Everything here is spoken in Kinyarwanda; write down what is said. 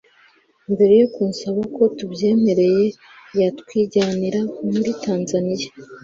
mbere yo kunsaba ko tubyemeye yatwijyanira muri Tanzania